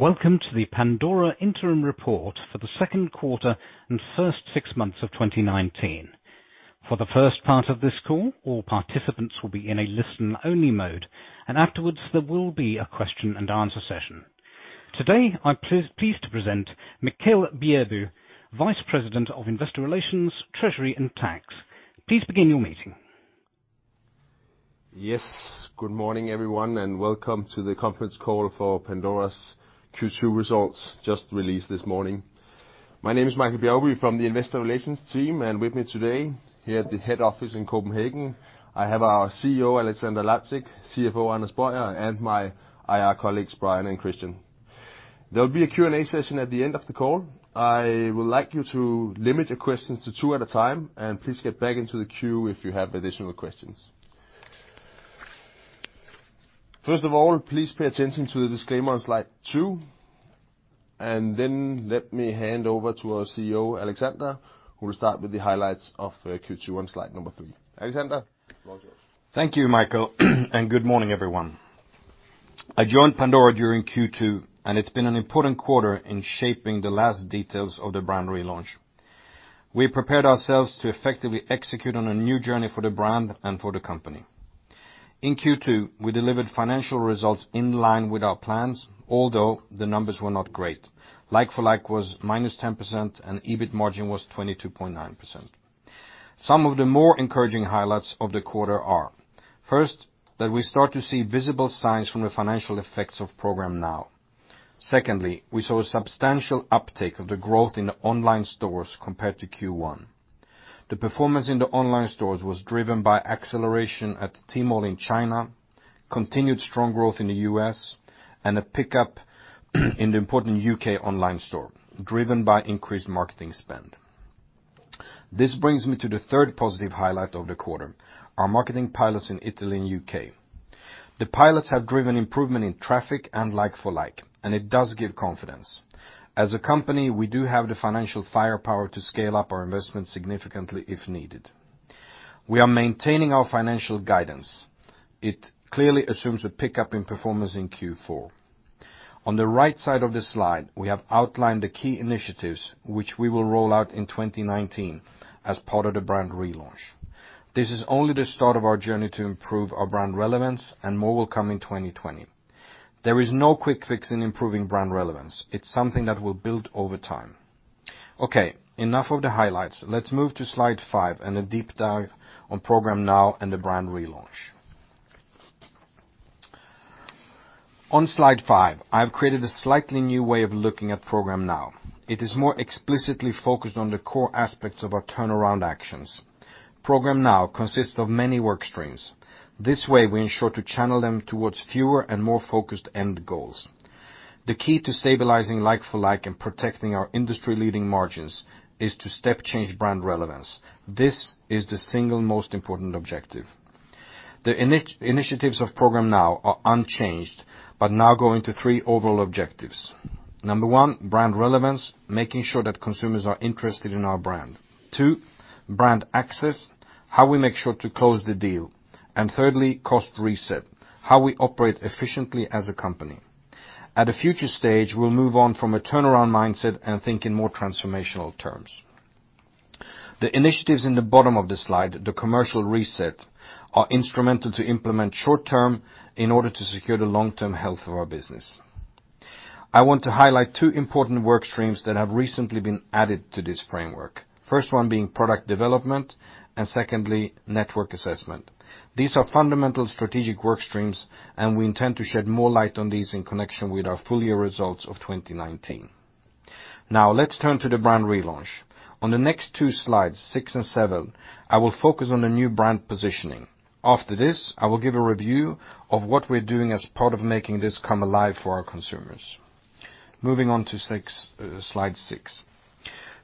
Welcome to the Pandora Interim Report for the Q2 and first six months of 2019. For the first part of this call, all participants will be in a listen-only mode, and afterwards, there will be a Q&A session. Today, I'm pleased to present Michael Bjergby, Vice President of Investor Relations, Treasury, and Tax. Please begin your meeting. Yes, good morning, everyone, and welcome to the conference call for Pandora's Q2 results, just released this morning. My name is Michael Bjergby from the Investor Relations team, and with me today, here at the head office in Copenhagen, I have our CEO, Alexander Lacik, CFO, Anders Boyer, and my IR colleagues, Brian and Christian. There will be a Q&A session at the end of the call. I would like you to limit your questions to two at a time, and please get back into the queue if you have additional questions. First of all, please pay attention to the disclaimer on slide two, and then let me hand over to our CEO, Alexander, who will start with the highlights of Q2 on slide number three. Alexander, floor is yours. Thank you, Michael, and good morning, everyone. I joined Pandora during Q2, and it's been an important quarter in shaping the last details of the brand relaunch. We prepared ourselves to effectively execute on a new journey for the brand and for the company. In Q2, we delivered financial results in line with our plans, although the numbers were not great. Like-for-like was -10%, and EBIT margin was 22.9%. Some of the more encouraging highlights of the quarter are, first, that we start to see visible signs from the financial effects of Program NOW. Secondly, we saw a substantial uptake of the growth in the online stores compared to Q1. The performance in the online stores was driven by acceleration at Tmall in China, continued strong growth in the U.S., and a pickup in the important U.K. online store, driven by increased marketing spend. This brings me to the third positive highlight of the quarter, our marketing pilots in Italy and U.K. The pilots have driven improvement in traffic and like-for-like, and it does give confidence. As a company, we do have the financial firepower to scale up our investment significantly if needed. We are maintaining our financial guidance. It clearly assumes a pickup in performance in Q4. On the right side of this slide, we have outlined the key initiatives, which we will roll out in 2019 as part of the brand relaunch. This is only the start of our journey to improve our brand relevance, and more will come in 2020. There is no quick fix in improving brand relevance. It's something that will build over time. Okay, enough of the highlights. Let's move to slide five and a deep dive on ProgramNOW and the brand relaunch. On slide five, I've created a slightly new way of looking at ProgramNOW. It is more explicitly focused on the core aspects of our turnaround actions. ProgramNOW consists of many work streams. This way, we ensure to channel them towards fewer and more focused end goals. The key to stabilizing like-for-like and protecting our industry-leading margins is to step change brand relevance. This is the single most important objective. The initiatives of ProgramNOW are unchanged, but now go into three overall objectives. Number one, brand relevance, making sure that consumers are interested in our brand. Two, brand access, how we make sure to close the deal, and thirdly, cost reset, how we operate efficiently as a company. At a future stage, we'll move on from a turnaround mindset and think in more transformational terms. The initiatives in the bottom of this slide, the commercial reset, are instrumental to implement short term in order to secure the long-term health of our business. I want to highlight two important work streams that have recently been added to this framework. First one being product development, and secondly, network assessment. These are fundamental strategic work streams, and we intend to shed more light on these in connection with our full year results of 2019. Now, let's turn to the brand relaunch. On the next two slides, six and seven, I will focus on the new brand positioning. After this, I will give a review of what we're doing as part of making this come alive for our consumers. Moving on to six, slide six.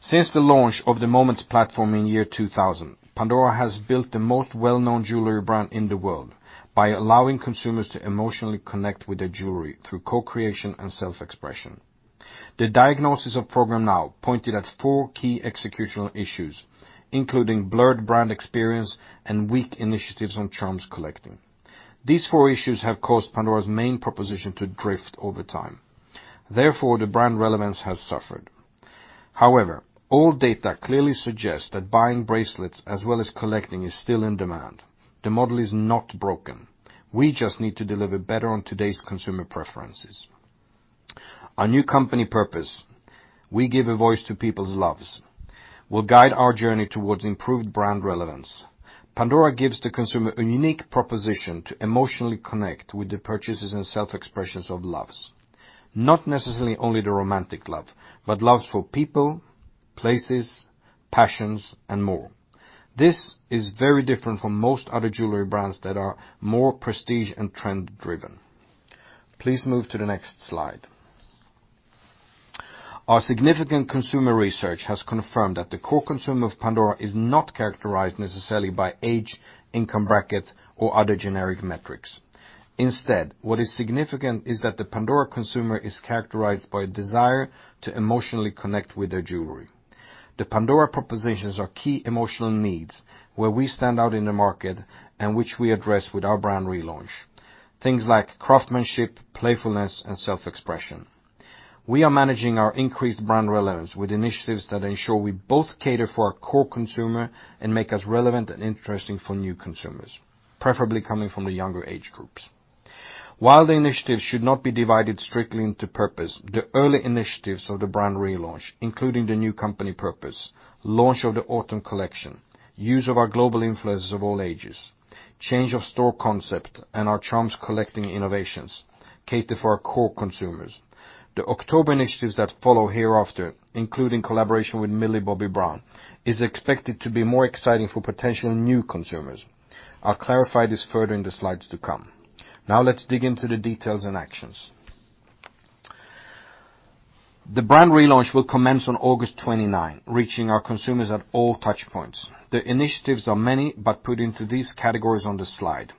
Since the launch of the Moments platform in 2000, Pandora has built the most well-known jewelry brand in the world by allowing consumers to emotionally connect with their jewelry through co-creation and self-expression. The diagnosis of ProgramNOW pointed at four key executional issues, including blurred brand experience and weak initiatives on charms collecting. These four issues have caused Pandora's main proposition to drift over time. Therefore, the brand relevance has suffered. However, all data clearly suggests that buying bracelets as well as collecting is still in demand. The model is not broken. We just need to deliver better on today's consumer preferences. Our new company purpose, "We give a voice to people's loves," will guide our journey towards improved brand relevance. Pandora gives the consumer a unique proposition to emotionally connect with the purchases and self-expressions of loves. Not necessarily only the romantic love, but loves for people, places, passions, and more. This is very different from most other jewelry brands that are more prestige and trend-driven. Please move to the next slide. Our significant consumer research has confirmed that the core consumer of Pandora is not characterized necessarily by age, income bracket, or other generic metrics. Instead, what is significant is that the Pandora consumer is characterized by a desire to emotionally connect with their jewelry. The Pandora propositions are key emotional needs, where we stand out in the market and which we address with our brand relaunch. Things like craftsmanship, playfulness, and self-expression. We are managing our increased brand relevance with initiatives that ensure we both cater for our core consumer and make us relevant and interesting for new consumers, preferably coming from the younger age groups. While the initiatives should not be divided strictly into purpose, the early initiatives of the brand relaunch, including the new company purpose, launch of the autumn collection, use of our global influencers of all ages, change of store concept, and our charms collecting innovations, cater for our core consumers. The October initiatives that follow hereafter, including collaboration with Millie Bobby Brown, is expected to be more exciting for potential new consumers. I'll clarify this further in the slides to come. Now let's dig into the details and actions. The brand relaunch will commence on August 29, reaching our consumers at all touchpoints. The initiatives are many, but put into these categories on the slide: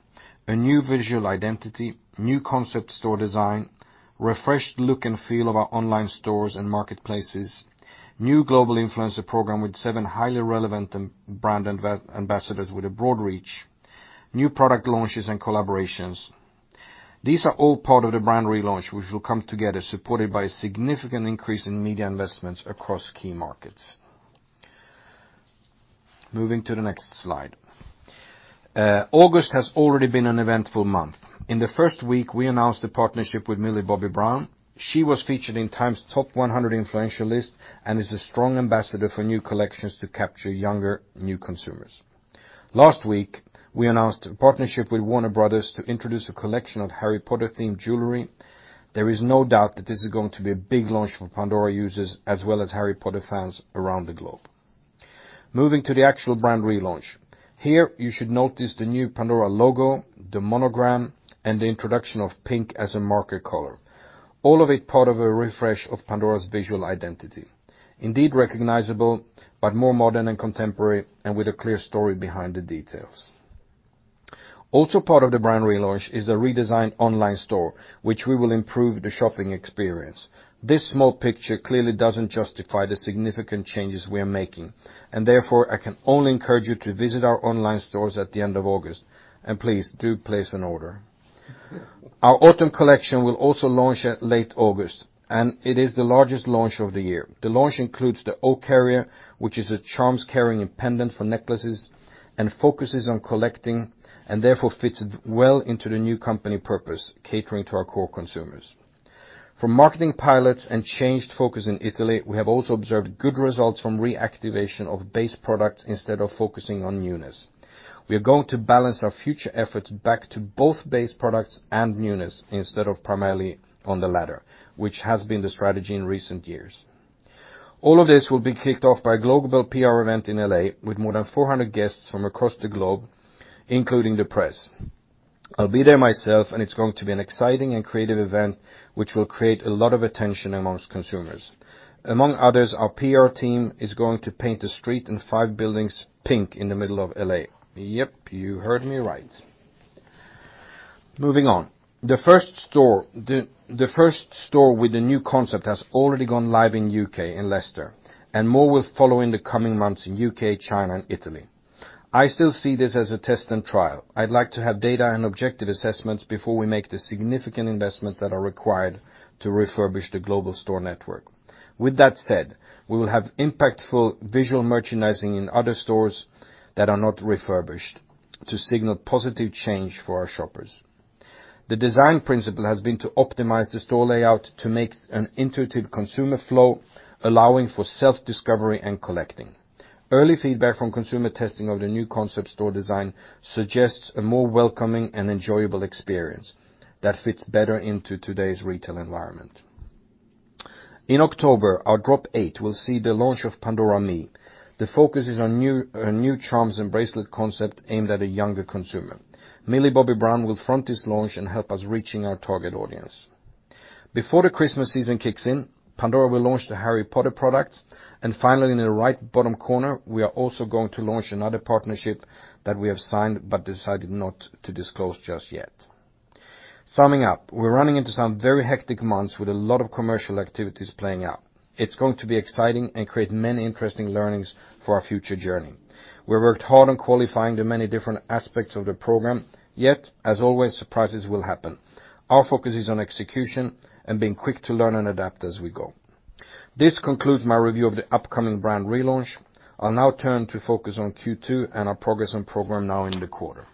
a new visual identity, new concept store design, refreshed look and feel of our online stores and marketplaces, new global influencer program with seven highly relevant and brand ambassadors with a broad reach, new product launches and collaborations. These are all part of the brand relaunch, which will come together, supported by a significant increase in media investments across key markets. Moving to the next slide. August has already been an eventful month. In the first week, we announced a partnership with Millie Bobby Brown. She was featured in Time's top 100 influential list and is a strong ambassador for new collections to capture younger, new consumers. Last week, we announced a partnership with Warner Bros. to introduce a collection of Harry Potter-themed jewelry. There is no doubt that this is going to be a big launch for Pandora users, as well as Harry Potter fans around the globe. Moving to the actual brand relaunch. Here, you should notice the new Pandora logo, the monogram, and the introduction of pink as a marker color. All of it part of a refresh of Pandora's visual identity. Indeed recognizable, but more modern and contemporary, and with a clear story behind the details. Also part of the brand relaunch is the redesigned online store, which we will improve the shopping experience. This small picture clearly doesn't justify the significant changes we are making, and therefore, I can only encourage you to visit our online stores at the end of August, and please, do place an order. Our autumn collection will also launch at late August, and it is the largest launch of the year. The launch includes the O-Carrier, which is a charms carrying a pendant for necklaces and focuses on collecting and therefore fits well into the new company purpose, catering to our core consumers. For marketing pilots and changed focus in Italy, we have also observed good results from reactivation of base products instead of focusing on newness. We are going to balance our future efforts back to both base products and newness, instead of primarily on the latter, which has been the strategy in recent years. All of this will be kicked off by a global PR event in L.A., with more than 400 guests from across the globe, including the press. I'll be there myself, and it's going to be an exciting and creative event, which will create a lot of attention among consumers. Among others, our PR team is going to paint the street and five buildings pink in the middle of L.A. Yep, you heard me right. Moving on. The first store with the new concept has already gone live in the U.K., in Leicester, and more will follow in the coming months in the U.K., China, and Italy. I still see this as a test and trial. I'd like to have data and objective assessments before we make the significant investments that are required to refurbish the global store network. With that said, we will have impactful visual merchandising in other stores that are not refurbished to signal positive change for our shoppers. The design principle has been to optimize the store layout to make an intuitive consumer flow, allowing for self-discovery and collecting. Early feedback from consumer testing of the new concept store design suggests a more welcoming and enjoyable experience that fits better into today's retail environment. In October, our drop eight will see the launch of Pandora Me. The focus is on new, on new charms and bracelet concept aimed at a younger consumer. Millie Bobby Brown will front this launch and help us reaching our target audience. Before the Christmas season kicks in, Pandora will launch the Harry Potter products, and finally, in the right bottom corner, we are also going to launch another partnership that we have signed but decided not to disclose just yet. Summing up, we're running into some very hectic months with a lot of commercial activities playing out. It's going to be exciting and create many interesting learnings for our future journey. We worked hard on qualifying the many different aspects of the program, yet, as always, surprises will happen. Our focus is on execution and being quick to learn and adapt as we go. This concludes my review of the upcoming brand relaunch. I'll now turn to focus on Q2 and our progress and Program NOW in the quarter.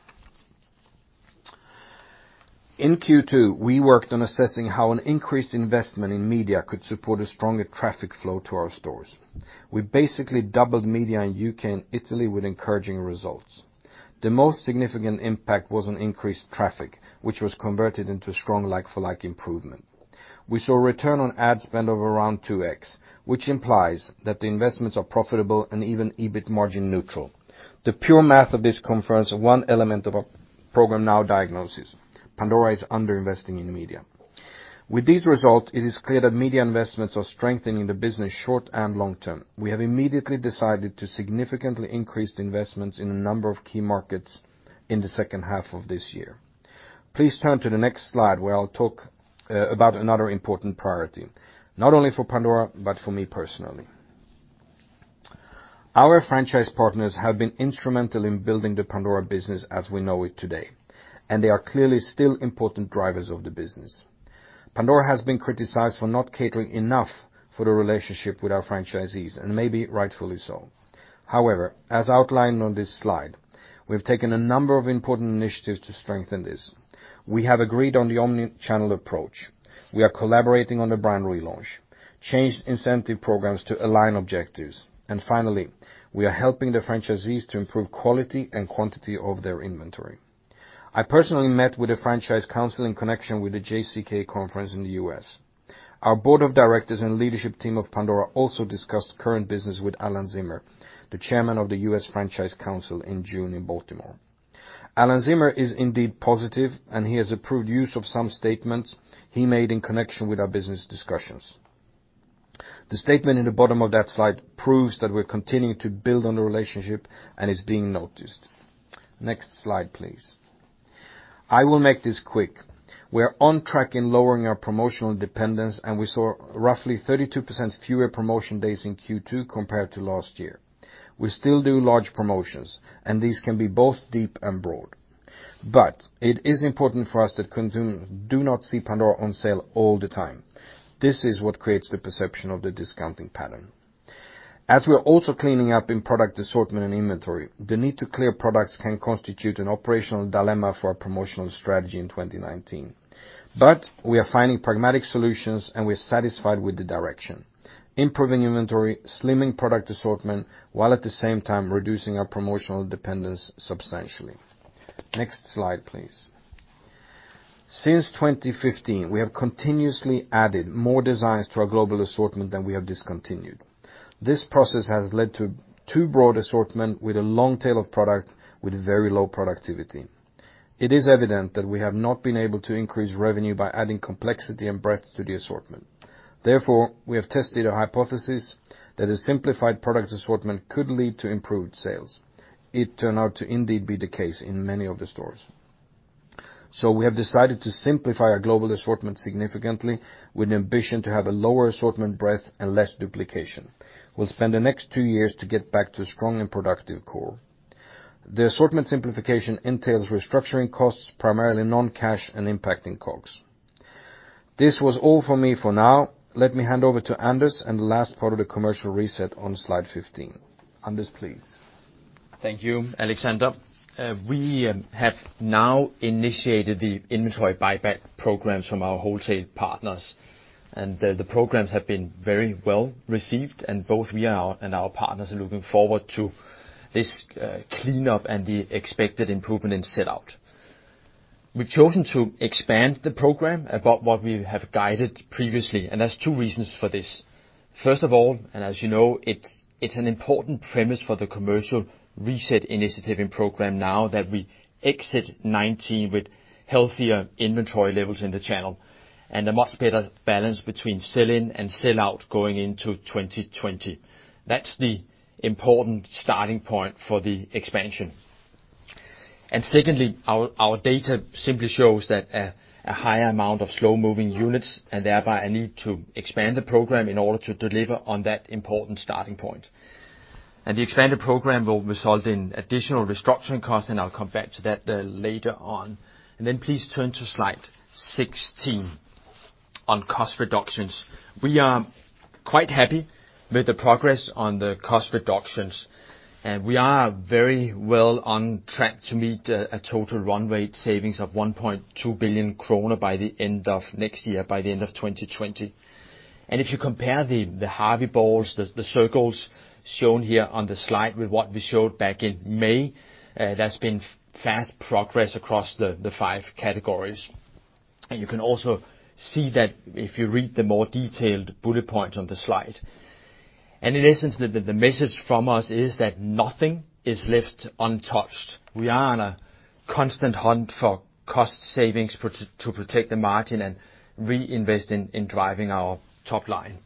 In Q2, we worked on assessing how an increased investment in media could support a stronger traffic flow to our stores. We basically doubled media in U.K. and Italy with encouraging results. The most significant impact was on increased traffic, which was converted into a strong like-for-like improvement. We saw a return on ad spend of around 2x, which implies that the investments are profitable and even EBIT margin neutral. The pure math of this confirms one element of our ProgramNOW diagnosis, Pandora is underinvesting in media. With these results, it is clear that media investments are strengthening the business, short and long term. We have immediately decided to significantly increase the investments in a number of key markets in the second half of this year. Please turn to the next slide, where I'll talk about another important priority, not only for Pandora, but for me personally. Our franchise partners have been instrumental in building the Pandora business as we know it today, and they are clearly still important drivers of the business. Pandora has been criticized for not catering enough for the relationship with our franchisees, and maybe rightfully so. However, as outlined on this slide, we've taken a number of important initiatives to strengthen this. We have agreed on the omni-channel approach. We are collaborating on the brand relaunch, changed incentive programs to align objectives, and finally, we are helping the franchisees to improve quality and quantity of their inventory. I personally met with the franchise council in connection with the JCK conference in the U.S. Our board of directors and leadership team of Pandora also discussed current business with Alan Zimmer, the chairman of the U.S. Franchise Council, in June in Baltimore. Alan Zimmer is indeed positive, and he has approved use of some statements he made in connection with our business discussions. The statement in the bottom of that slide proves that we're continuing to build on the relationship, and it's being noticed. Next slide, please. I will make this quick. We're on track in lowering our promotional dependence, and we saw roughly 32% fewer promotion days in Q2 compared to last year. We still do large promotions, and these can be both deep and broad. But it is important for us that consumers do not see Pandora on sale all the time. This is what creates the perception of the discounting pattern. As we are also cleaning up in product assortment and inventory, the need to clear products can constitute an operational dilemma for our promotional strategy in 2019. But we are finding pragmatic solutions, and we're satisfied with the direction. Improving inventory, slimming product assortment, while at the same time reducing our promotional dependence substantially. Next slide, please. Since 2015, we have continuously added more designs to our global assortment than we have discontinued. This process has led to too broad assortment with a long tail of product with very low productivity. It is evident that we have not been able to increase revenue by adding complexity and breadth to the assortment. Therefore, we have tested a hypothesis that a simplified product assortment could lead to improved sales. It turned out to indeed be the case in many of the stores. So we have decided to simplify our global assortment significantly with an ambition to have a lower assortment breadth and less duplication. We'll spend the next two years to get back to a strong and productive core. The assortment simplification entails restructuring costs, primarily non-cash and impacting COGS. This was all for me for now. Let me hand over to Anders and the last part of the commercial reset on slide 15. Anders, please. Thank you, Alexander. We have now initiated the inventory buyback programs from our wholesale partners, and the programs have been very well received, and both we are and our partners are looking forward to this cleanup and the expected improvement in sell out. We've chosen to expand the program about what we have guided previously, and there's two reasons for this. First of all, and as you know, it's an important premise for the commercial reset initiative and Program NOW that we exit 2019 with healthier inventory levels in the channel and a much better balance between sell-in and sell out going into 2020. That's the important starting point for the expansion. And secondly, our data simply shows that a higher amount of slow-moving units and thereby a need to expand the program in order to deliver on that important starting point. The expanded program will result in additional restructuring costs, and I'll come back to that, later on. Then please turn to slide 16 on cost reductions. We are quite happy with the progress on the cost reductions, and we are very well on track to meet a total runway savings of 1.2 billion kroner by the end of next year, by the end of 2020. And if you compare the Harvey balls, the circles shown here on the slide with what we showed back in May, there's been fast progress across the five categories. And you can also see that if you read the more detailed bullet points on the slide. And in essence, the message from us is that nothing is left untouched. We are on a constant hunt for cost savings to protect the margin and reinvest in driving our top line.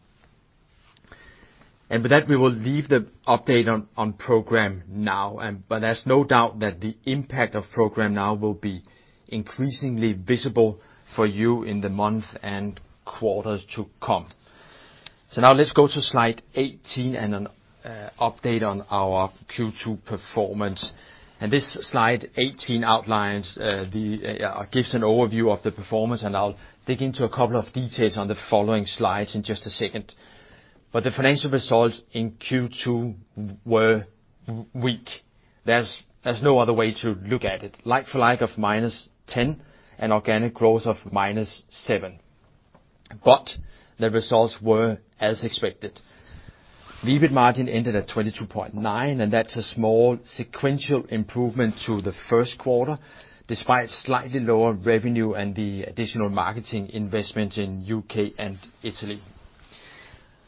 And with that, we will leave the update on Program NOW, and but there's no doubt that the impact of ProgramNOW will be increasingly visible for you in the months and quarters to come. So now let's go to slide 18 and an update on our Q2 performance. And this slide 18 gives an overview of the performance, and I'll dig into a couple of details on the following slides in just a second. But the financial results in Q2 were weak. There's no other way to look at it. Like-for-like of -10% and organic growth of -7%, but the results were as expected. EBIT margin ended at 22.9, and that's a small sequential improvement to the Q1, despite slightly lower revenue and the additional marketing investment in UK and Italy.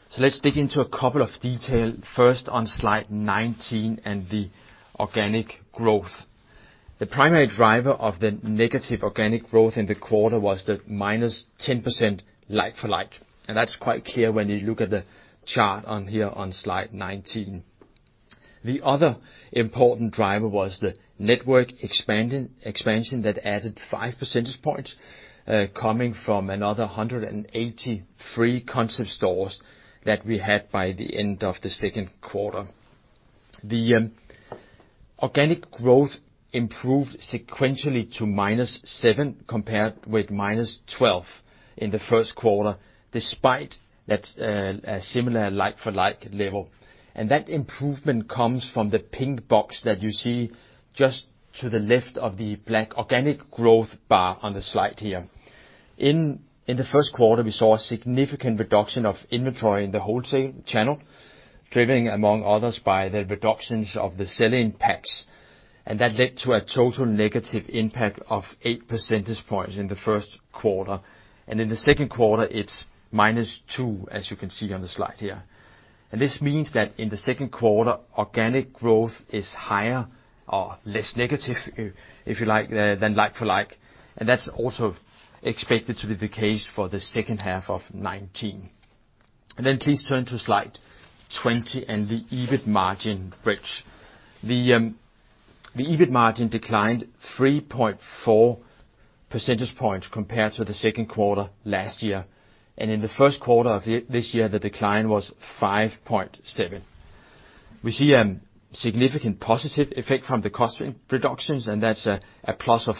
So let's dig into a couple of detail. First, on slide 19 and the organic growth. The primary driver of the negative organic growth in the quarter was the -10% like-for-like, and that's quite clear when you look at the chart on here on slide 19. The other important driver was the network expanding, expansion that added 5 percentage points, coming from another 183 concept stores that we had by the end of the Q2. The organic growth improved sequentially to -7, compared with -12 in the Q1, despite that, a similar like-for-like level. That improvement comes from the pink box that you see just to the left of the black organic growth bar on the slide here. In the Q1, we saw a significant reduction of inventory in the wholesale channel, driven among others by the reductions of the sell-in packs, and that led to a total negative impact of 8 percentage points in the Q1. In the Q2, it's -2, as you can see on the slide here. This means that in the Q2, organic growth is higher or less negative, if you like, than like-for-like, and that's also expected to be the case for the second half of 2019. Then please turn to slide 20 and the EBIT margin bridge. The EBIT margin declined 3.4 percentage points compared to the Q2 last year, and in the Q1 of this year, the decline was 5.7. We see a significant positive effect from the cost reductions, and that's a plus of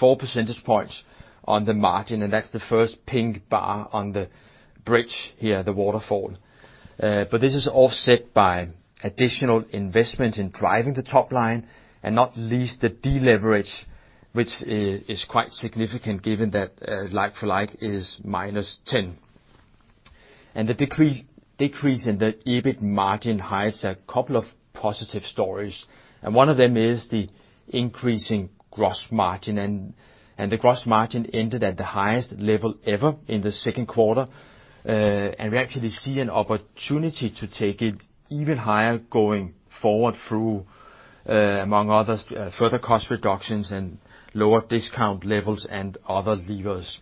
four percentage points on the margin, and that's the first pink bar on the bridge here, the waterfall. But this is offset by additional investments in driving the top line, and not least the deleverage, which is quite significant given that like-for-like is -10. The decrease in the EBIT margin hides a couple of positive stories, and one of them is the increasing gross margin. And the gross margin ended at the highest level ever in the Q2, and we actually see an opportunity to take it even higher going forward through, among others, further cost reductions and lower discount levels and other levers.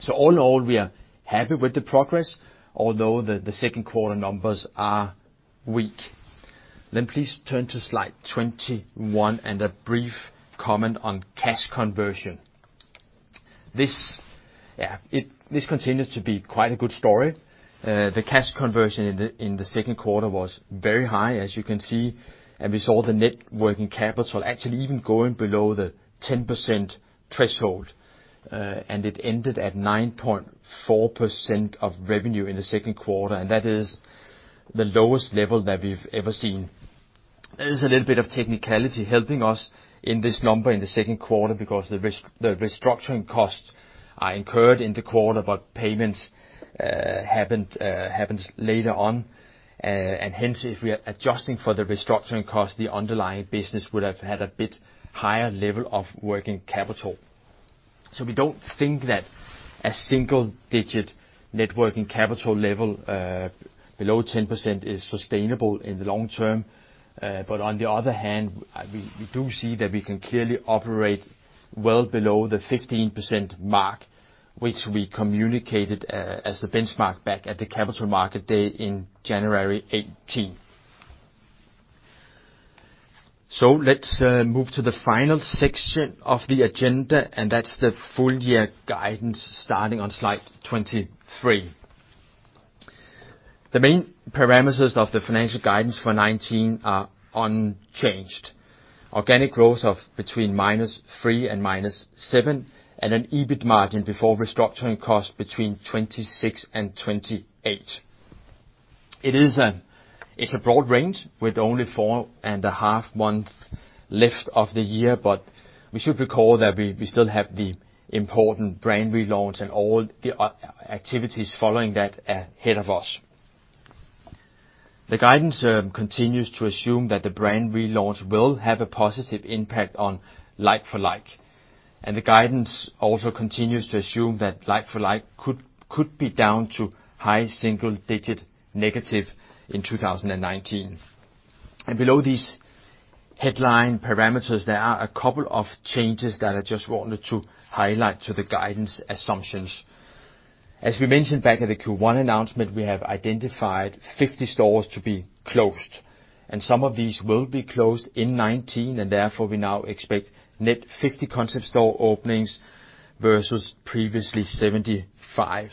So all in all, we are happy with the progress, although the Q2 numbers are weak. Then please turn to slide 21, and a brief comment on cash conversion. This continues to be quite a good story. The cash conversion in the Q2 was very high, as you can see, and we saw the net working capital actually even going below the 10% threshold, and it ended at 9.4% of revenue in the Q2, and that is the lowest level that we've ever seen. There is a little bit of technicality helping us in this number in the Q2, because the restructuring costs are incurred in the quarter, but payments happened, happens later on. And hence, if we are adjusting for the restructuring cost, the underlying business would have had a bit higher level of working capital. So we don't think that a single-digit net working capital level below 10% is sustainable in the long term, but on the other hand, we, we do see that we can clearly operate well below the 15% mark, which we communicated as the benchmark back at the Capital Market Day in January 2018. So let's move to the final section of the agenda, and that's the full year guidance, starting on slide 23. The main parameters of the financial guidance for 2019 are unchanged. Organic growth of between -3 and -7, and an EBIT margin before restructuring costs between 26% and 28%. It's a broad range with only 4.5 months left of the year, but we should recall that we still have the important brand relaunch and all the activities following that ahead of us. The guidance continues to assume that the brand relaunch will have a positive impact on like-for-like, and the guidance also continues to assume that like-for-like could be down to high single-digit negative in 2019. Below these headline parameters, there are a couple of changes that I just wanted to highlight to the guidance assumptions. As we mentioned back at the Q1 announcement, we have identified 50 stores to be closed, and some of these will be closed in 2019, and therefore, we now expect net 50 concept store openings versus previously 75.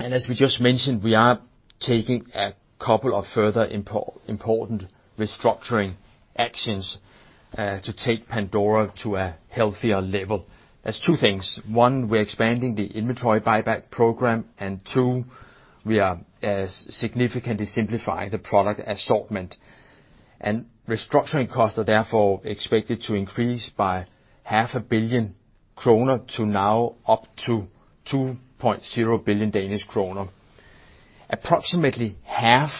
As we just mentioned, we are taking a couple of further important restructuring actions to take Pandora to a healthier level. There are two things: one, we're expanding the inventory buyback program, and two, we are significantly simplifying the product assortment. Restructuring costs are therefore expected to increase by 500 million kroner to now up to 2.0 billion Danish kroner. Approximately half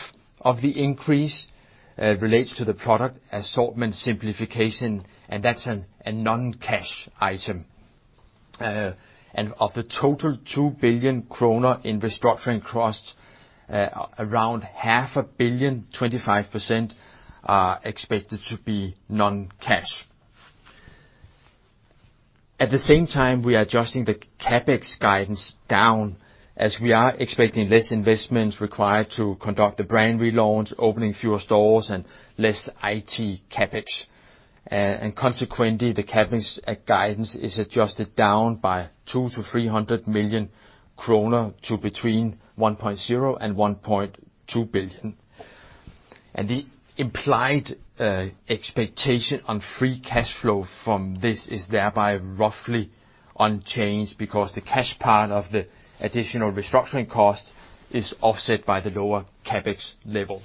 of the increase relates to the product assortment simplification, and that's a non-cash item. Of the total 2 billion kroner in restructuring costs, around 500 million, 25%, are expected to be non-cash. At the same time, we are adjusting the CapEx guidance down, as we are expecting less investments required to conduct the brand relaunch, opening fewer stores, and less IT CapEx. And consequently, the CapEx guidance is adjusted down by 200 million-300 million kroner to between 1.0 billion and 1.2 billion. The implied expectation on free cash flow from this is thereby roughly unchanged, because the cash part of the additional restructuring cost is offset by the lower CapEx level.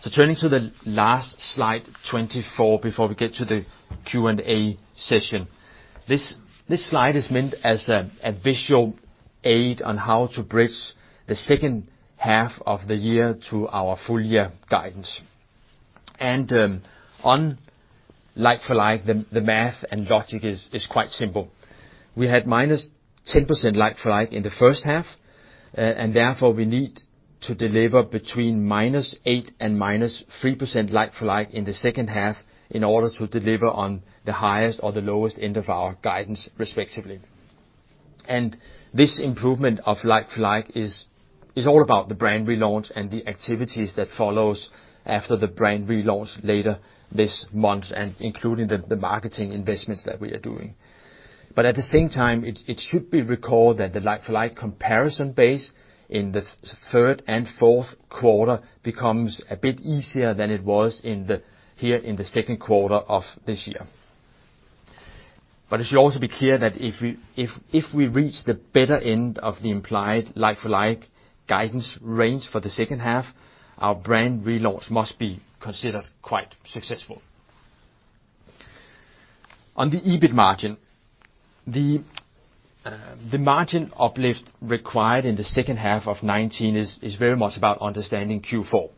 So turning to the last slide, 24, before we get to the Q&A session. This slide is meant as a visual aid on how to bridge the second half of the year to our full year guidance. On like-for-like, the math and logic is quite simple. We had -10% like-for-like in the first half, and therefore, we need to deliver between -8% and -3% like-for-like in the second half, in order to deliver on the highest or the lowest end of our guidance, respectively. And this improvement of like-for-like is all about the brand relaunch and the activities that follows after the brand relaunch later this month, and including the marketing investments that we are doing. But at the same time, it should be recalled that the like-for-like comparison base in the third and Q4 becomes a bit easier than it was in the here in the Q2 of this year. But it should also be clear that if we reach the better end of the implied like-for-like guidance range for the second half, our brand relaunch must be considered quite successful. On the EBIT margin, the margin uplift required in the second half of 2019 is very much about understanding Q4.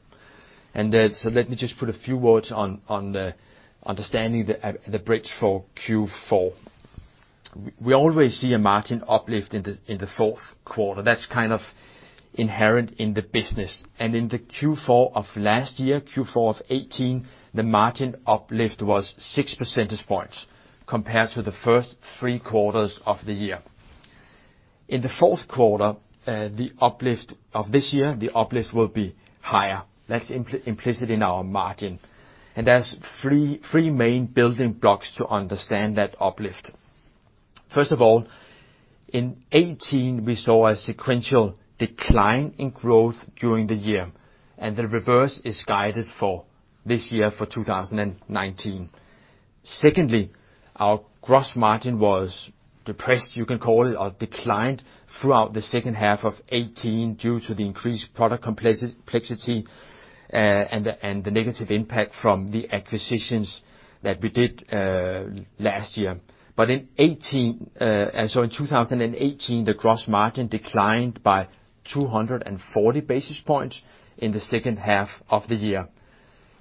And then, so let me just put a few words on the understanding the bridge for Q4. We always see a margin uplift in the Q4. That's kind of inherent in the business. And in the Q4 of last year, Q4 of 2018, the margin uplift was six percentage points compared to the first three quarters of the year. In the Q4, the uplift of this year, the uplift will be higher. That's implicit in our margin, and there's three main building blocks to understand that uplift. First of all, in 2018, we saw a sequential decline in growth during the year, and the reverse is guided for this year, for 2019. Secondly, our gross margin was depressed, you can call it, or declined throughout the second half of 2018, due to the increased product complexity, and the negative impact from the acquisitions that we did last year. But in 2018, so in 2018, the gross margin declined by 240 basis points in the second half of the year.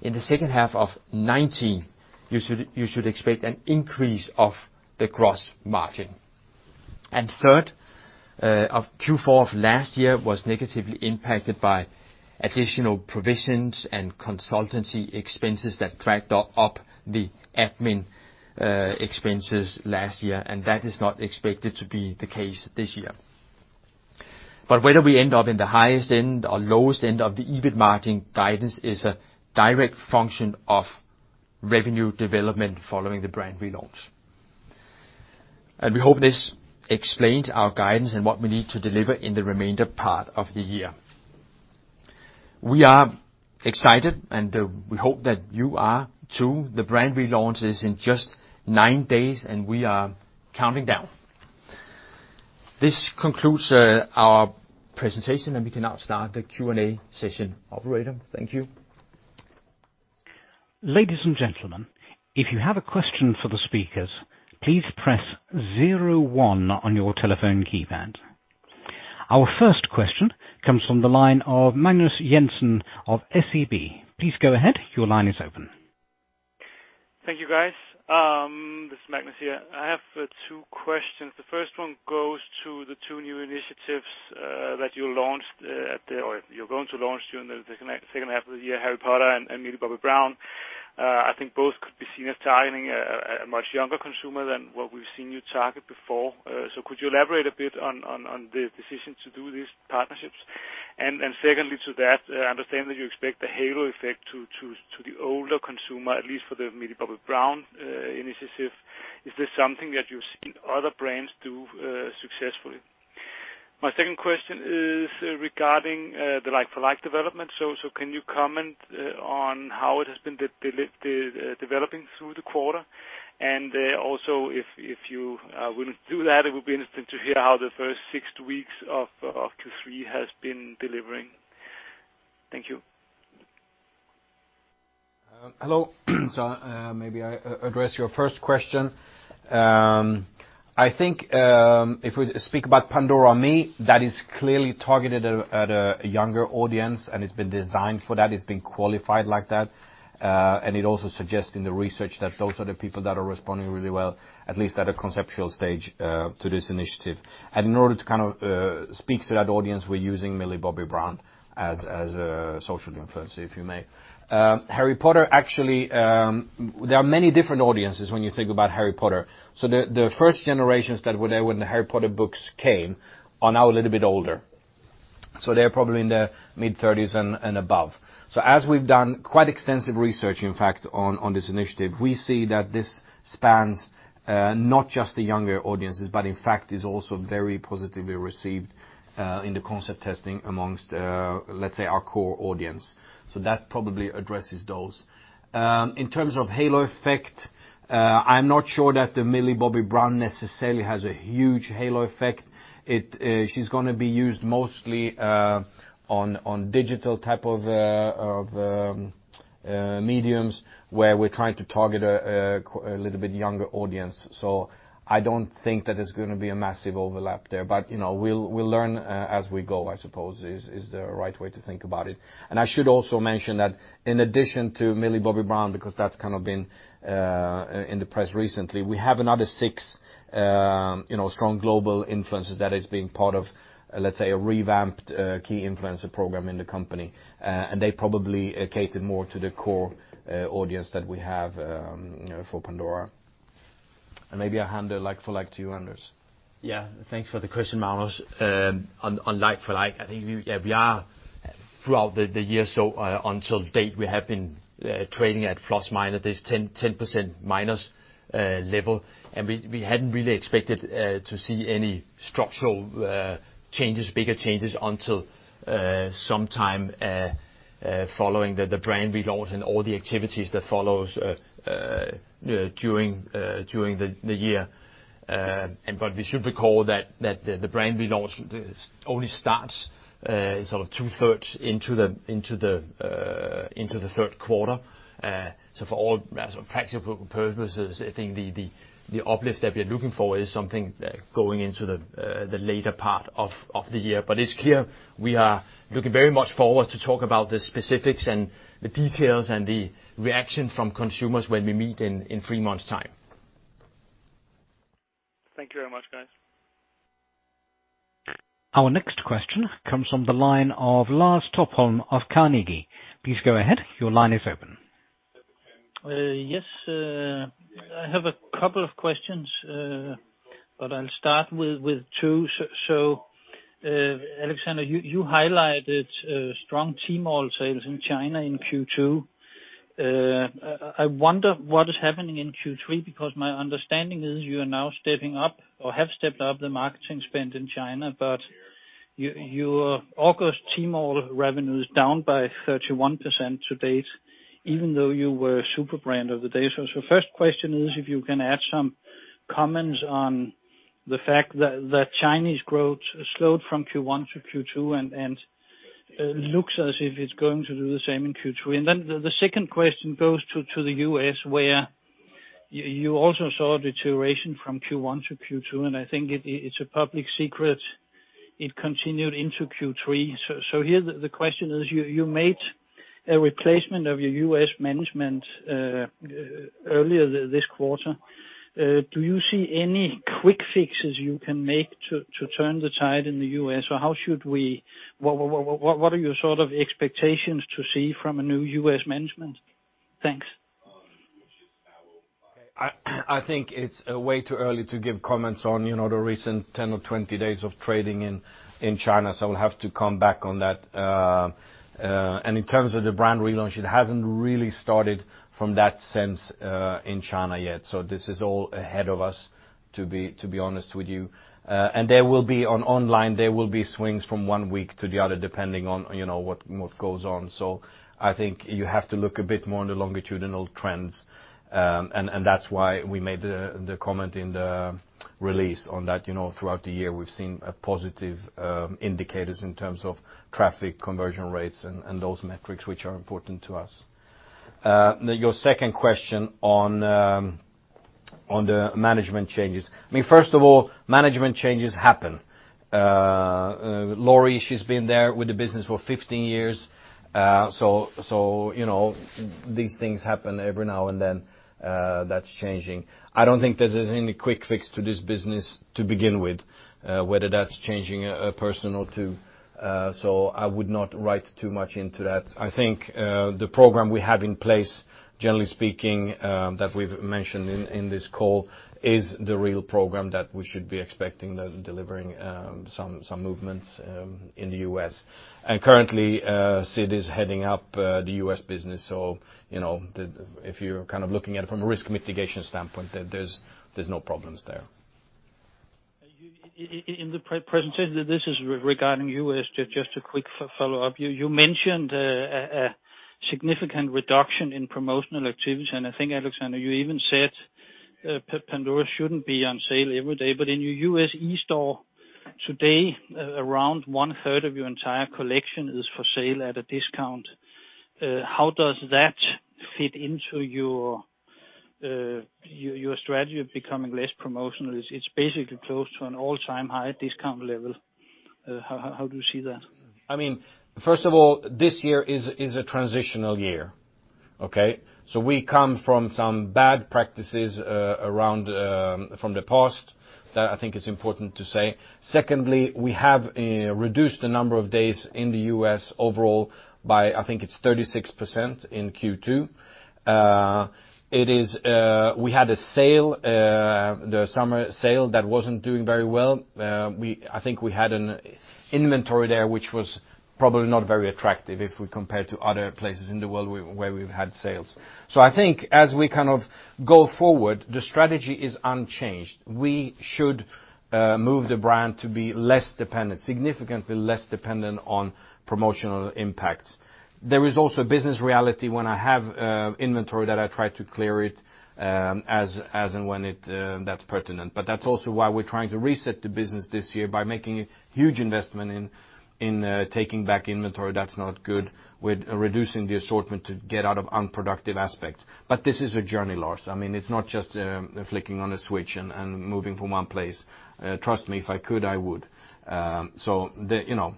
In the second half of 2019, you should expect an increase of the gross margin. And third, of Q4 of last year was negatively impacted by additional provisions and consultancy expenses that dragged up, up the admin, expenses last year, and that is not expected to be the case this year. But whether we end up in the highest end or lowest end of the EBIT margin guidance is a direct function of revenue development following the brand relaunch. And we hope this explains our guidance, and what we need to deliver in the remainder part of the year. We are excited, and, we hope that you are, too. The brand relaunch is in just nine days, and we are counting down. This concludes, our presentation, and we can now start the Q&A session. Operator, thank you. Ladies and gentlemen, if you have a question for the speakers, please press zero one on your telephone keypad. Our first question comes from the line of Magnus Jensen of SEB. Please go ahead. Your line is open. Thank you, guys. This is Magnus here. I have two questions. The first one goes to the two new initiatives that you're going to launch during the second half of the year, Harry Potter and Millie Bobby Brown. I think both could be seen as targeting a much younger consumer than what we've seen you target before. So could you elaborate a bit on the decision to do these partnerships? And secondly to that, I understand that you expect the halo effect to the older consumer, at least for the Millie Bobby Brown initiative. Is this something that you've seen other brands do successfully? My second question is regarding the like-for-like development. Can you comment on how it has been developing through the quarter? Also, if you wouldn't do that, it would be interesting to hear how the first six weeks of Q3 has been delivering. Thank you. Hello. So, maybe I address your first question. I think, if we speak about Pandora Me, that is clearly targeted at a younger audience, and it's been designed for that, it's been qualified like that. And it also suggests in the research that those are the people that are responding really well, at least at a conceptual stage, to this initiative. And in order to kind of, speak to that audience, we're using Millie Bobby Brown as a social influencer, if you may. Harry Potter, actually, there are many different audiences when you think about Harry Potter. So the first generations that were there when the Harry Potter books came are now a little bit older. So they're probably in the mid thirties and above. So as we've done quite extensive research, in fact, on this initiative, we see that this spans not just the younger audiences, but in fact, is also very positively received in the concept testing amongst let's say, our core audience. So that probably addresses those. In terms of halo effect, I'm not sure that the Millie Bobby Brown necessarily has a huge halo effect. It she's gonna be used mostly on digital type of of mediums, where we're trying to target a little bit younger audience. So I don't think that there's gonna be a massive overlap there. But, you know, we'll learn as we go, I suppose is the right way to think about it. I should also mention that in addition to Millie Bobby Brown, because that's kind of been in the press recently, we have another six, you know, strong global influencers that is being part of, let's say, a revamped key influencer program in the company. And they probably cater more to the core audience that we have, you know, for Pandora. And maybe I'll hand the like-for-like to you, Anders. Yeah, thanks for the question, Magnus. On like-for-like, I think we, yeah, we are throughout the year to date. We have been trading at ±10, 10% minus level. We hadn't really expected to see any structural changes, bigger changes until sometime following the brand relaunch and all the activities that follows during the year. But we should recall that the brand relaunch only starts sort of two-thirds into the Q3. So for all practical purposes, I think the uplift that we're looking for is something going into the later part of the year. It's clear, we are looking very much forward to talk about the specifics and the details and the reaction from consumers when we meet in three months time. Thank you very much, guys. Our next question comes from the line of Lars Topholm of Carnegie. Please go ahead. Your line is open. Yes, I have a couple of questions, but I'll start with two. So, Alexander, you highlighted strong Tmall sales in China in Q2. I wonder what is happening in Q3, because my understanding is you are now stepping up or have stepped up the marketing spend in China, but your August Tmall revenue is down by 31% to date, even though you were super brand of the day. So first question is, if you can add some comments on the fact that Chinese growth slowed from Q1 to Q2, and looks as if it's going to do the same in Q3? Then the second question goes to the U.S., where you also saw a deterioration from Q1 to Q2, and I think it's a public secret; it continued into Q3. So here, the question is, you made a replacement of your US management earlier this quarter. Do you see any quick fixes you can make to turn the tide in the U.S.? Or what are your sort of expectations to see from a new US management? Thanks. I think it's way too early to give comments on, you know, the recent 10 or 20 days of trading in China, so I'll have to come back on that. And in terms of the brand relaunch, it hasn't really started from that sense in China yet. So this is all ahead of us, to be honest with you. And there will be on online, there will be swings from one week to the other, depending on, you know, what goes on. So I think you have to look a bit more on the longitudinal trends, and that's why we made the comment in the release on that. You know, throughout the year, we've seen positive indicators in terms of traffic, conversion rates, and those metrics, which are important to us. Your second question on the management changes. I mean, first of all, management changes happen. Laurie, she's been there with the business for 15 years, so, you know, these things happen every now and then, that's changing. I don't think there's any quick fix to this business to begin with, whether that's changing a person or two, so I would not read too much into that. I think the program we have in place, generally speaking, that we've mentioned in this call, is the real program that we should be expecting that delivering some movements in the U.S. And currently, Sid is heading up the US business, so, you know, then if you're kind of looking at it from a risk mitigation standpoint, then there's no problems there. In the presentation, this is regarding you, as just a quick follow-up. You mentioned a significant reduction in promotional activity, and I think, Alexander, you even said, Pandora shouldn't be on sale every day. But in your U.S. e-store today, around one-third of your entire collection is for sale at a discount. How does that fit into your strategy of becoming less promotional? It's basically close to an all-time high discount level. How do you see that? I mean, first of all, this year is a transitional year, okay? So we come from some bad practices around from the past. That I think is important to say. Secondly, we have reduced the number of days in the U.S. overall by, I think it's 36% in Q2. It is, we had a sale, the summer sale that wasn't doing very well. I think we had an inventory there, which was probably not very attractive if we compare to other places in the world where we've had sales. So I think as we kind of go forward, the strategy is unchanged. We should move the brand to be less dependent, significantly less dependent on promotional impacts. There is also a business reality when I have inventory that I try to clear it as and when it's pertinent. But that's also why we're trying to reset the business this year by making a huge investment in taking back inventory that's not good, with reducing the assortment to get out of unproductive aspects. But this is a journey, Lars. I mean, it's not just flicking on a switch and moving from one place. Trust me, if I could, I would. So you know,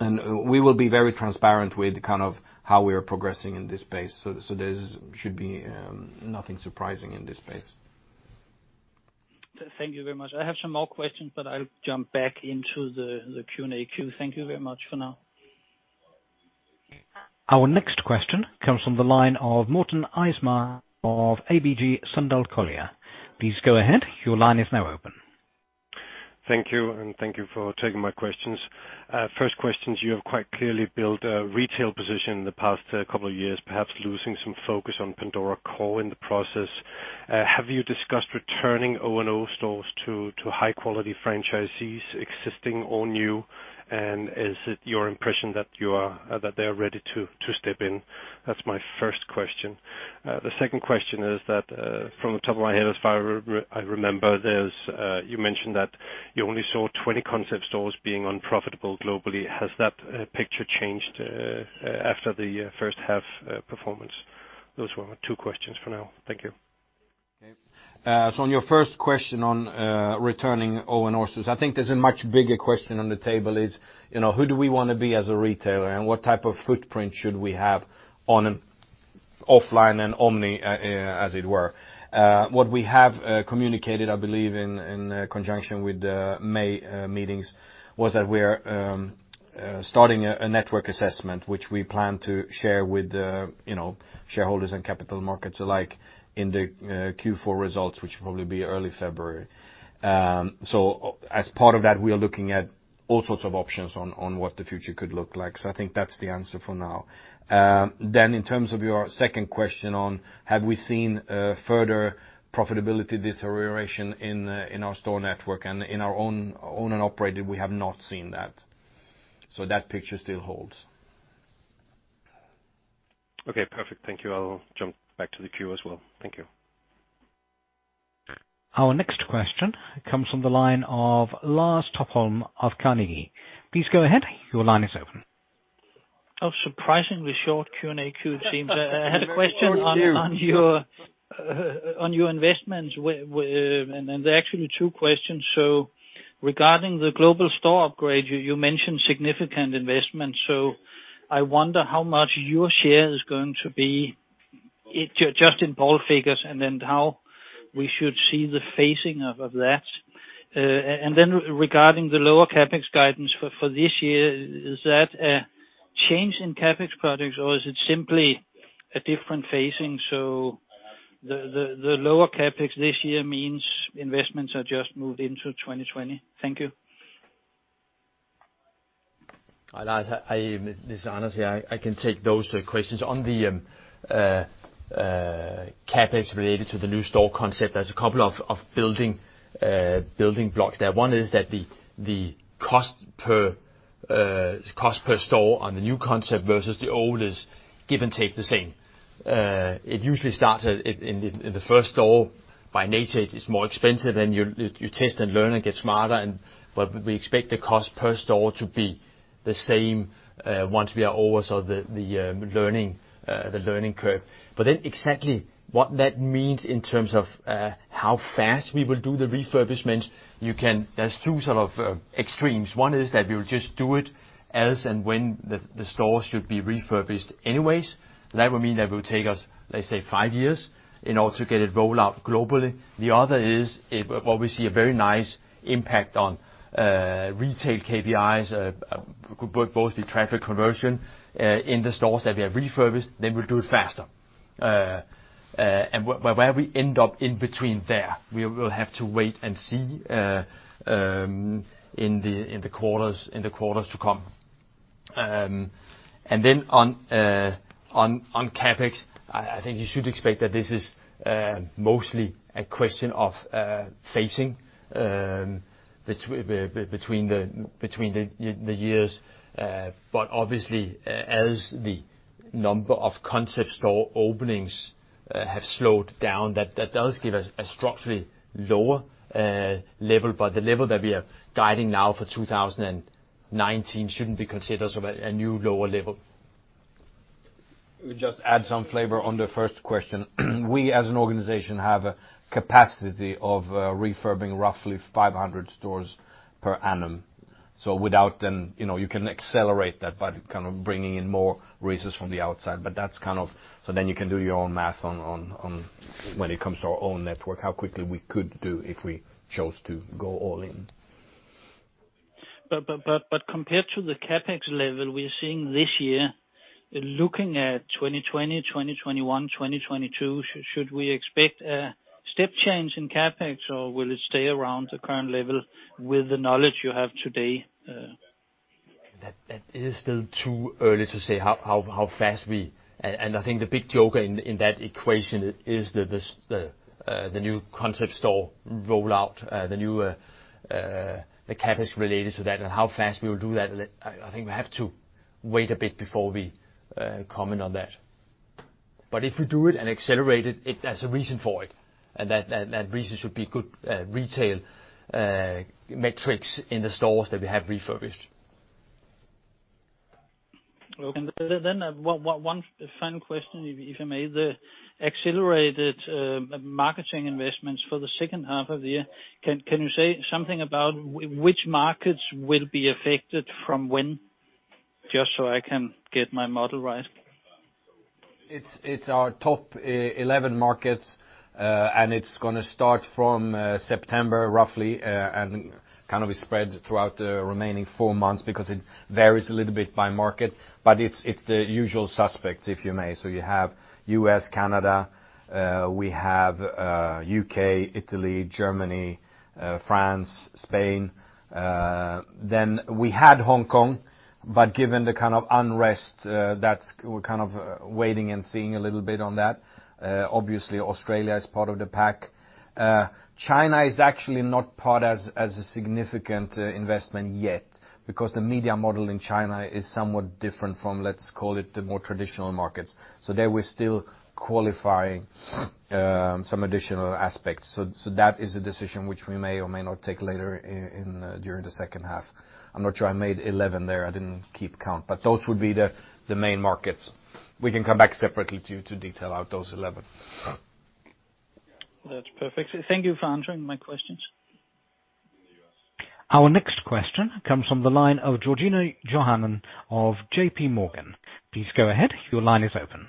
we will be very transparent with kind of how we are progressing in this space. So there should be nothing surprising in this space. Thank you very much. I have some more questions, but I'll jump back into the Q&A queue. Thank you very much for now. Our next question comes from the line of Morten Eismark of ABG Sundal Collier. Please go ahead. Your line is now open. Thank you, and thank you for taking my questions. First question, you have quite clearly built a retail position in the past couple of years, perhaps losing some focus on Pandora core in the process. Have you discussed returning O&O stores to high-quality franchisees, existing or new? And is it your impression that they are ready to step in? That's my first question. The second question is that from the top of my head, as far as I remember, you mentioned that you only saw 20 concept stores being unprofitable globally. Has that picture changed after the first half performance? Those were my two questions for now. Thank you. Okay. So on your first question on returning O&O stores, I think there's a much bigger question on the table is, you know, who do we want to be as a retailer, and what type of footprint should we have on an offline and Omni, as it were? What we have communicated, I believe, in conjunction with the May meetings, was that we are starting a network assessment, which we plan to share with the, you know, shareholders and capital markets alike in the Q4 results, which will probably be early February. So as part of that, we are looking at all sorts of options on what the future could look like. So I think that's the answer for now. Then, in terms of your second question on have we seen further profitability deterioration in our store network and in our own owned and operated, we have not seen that. So that picture still holds. Okay, perfect. Thank you. I'll jump back to the queue as well. Thank you. Our next question comes from the line of Lars Topholm of Carnegie. Please go ahead. Your line is open. Oh, surprisingly short Q&A queue, it seems. I had a question. Short queue! On your investments and they're actually two questions. So regarding the global store upgrade, you mentioned significant investment, so I wonder how much your share is going to be, just in ballpark figures, and then how we should see the phasing of that? And then regarding the lower CapEx guidance for this year, is that a change in CapEx projects, or is it simply a different phasing, so the lower CapEx this year means investments are just moved into 2020? Thank you. Hi, Lars. This is Anders here. I can take those questions. On the CapEx related to the new store concept, there's a couple of building blocks there. One is that the cost per store on the new concept versus the old is give and take the same. It usually starts at in the first store, by nature, it is more expensive, and you test and learn and get smarter, and but we expect the cost per store to the same once we are over the learning curve. But then exactly what that means in terms of how fast we will do the refurbishment, there's two sort of extremes. One is that we'll just do it as and when the store should be refurbished anyways. That will mean that will take us, let's say, five years in order to get it rolled out globally. The other is if, well, we see a very nice impact on retail KPIs, both the traffic conversion in the stores that we have refurbished, then we'll do it faster. And where we end up in between there, we will have to wait and see in the quarters to come. And then on CapEx, I think you should expect that this is mostly a question of phasing between the years. But obviously, as the number of concept store openings have slowed down, that does give us a structurally lower level. But the level that we are guiding now for 2019 shouldn't be considered as a new lower level. Let me just add some flavor on the first question. We, as an organization, have a capacity of refurbing roughly 500 stores per annum. So without them, you know, you can accelerate that by kind of bringing in more resources from the outside, but that's kind of, so then you can do your own math on when it comes to our own network, how quickly we could do if we chose to go all in. Compared to the CapEx level we're seeing this year, looking at 2020, 2021, 2022, should we expect a step change in CapEx, or will it stay around the current level with the knowledge you have today? That is still too early to say how fast we and I think the big joker in that equation is this the new concept store rollout, the CapEx related to that and how fast we will do that. I think we have to wait a bit before we comment on that. But if we do it and accelerate it, there's a reason for it, and that reason should be good retail metrics in the stores that we have refurbished. Okay. And then, one final question, if I may. The accelerated marketing investments for the second half of the year, can you say something about which markets will be affected from when? Just so I can get my model right. It's our top 11 markets, and it's gonna start from September, roughly, and kind of be spread throughout the remaining four months, because it varies a little bit by market. But it's the usual suspects, if you may. So you have U.S., Canada, we have U.K., Italy, Germany, France, Spain. Then we had Hong Kong, but given the kind of unrest, that's we're kind of waiting and seeing a little bit on that. Obviously, Australia is part of the pack. China is actually not part as a significant investment yet, because the media model in China is somewhat different from, let's call it, the more traditional markets. So there we're still qualifying some additional aspects. So, that is a decision which we may or may not take later in, during the second half. I'm not sure I made 11 there. I didn't keep count, but those would be the main markets. We can come back separately to you to detail out those 11. That's perfect. Thank you for answering my questions. Our next question comes from the line of Georgina Johanan of JPMorgan. Please go ahead. Your line is open.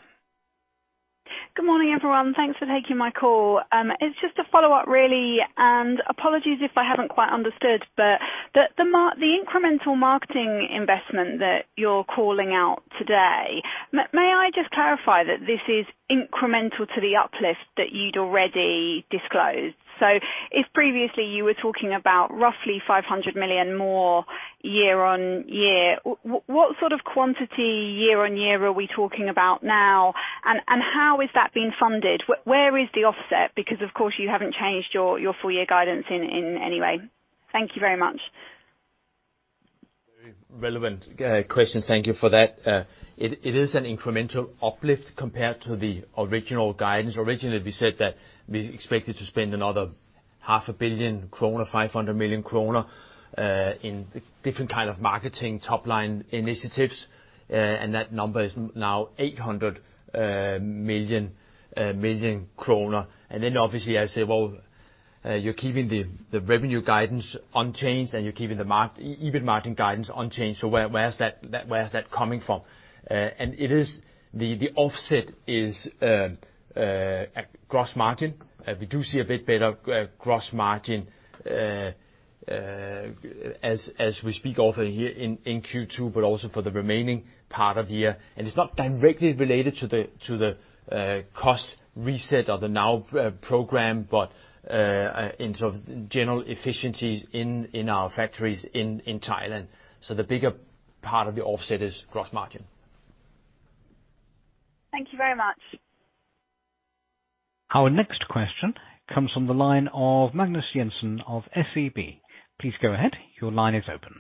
Good morning, everyone. Thanks for taking my call. It's just a follow-up, really, and apologies if I haven't quite understood. But the incremental marketing investment that you're calling out today, may I just clarify that this is incremental to the uplift that you'd already disclosed? So if previously you were talking about roughly 500 million more year-on-year, what sort of quantity year-on-year are we talking about now? And how is that being funded? Where is the offset? Because, of course, you haven't changed your full year guidance in any way. Thank you very much. Very relevant question. Thank you for that. It is an incremental uplift compared to the original guidance. Originally, we said that we expected to spend another 500 million kroner, 500 million kroner, in different kind of marketing top line initiatives, and that number is now 800 million kroner. And then obviously I say, well, you're keeping the revenue guidance unchanged, and you're keeping the EBIT margin guidance unchanged, so where's that coming from? And it is the offset is gross margin. We do see a bit better gross margin as we speak, also here in Q2, but also for the remaining part of the year. It's not directly related to the cost reset of the ProgramNOW, but in sort of general efficiencies in our factories in Thailand. So the bigger part of the offset is gross margin. Thank you very much. Our next question comes from the line of Magnus Jensen of SEB. Please go ahead. Your line is open.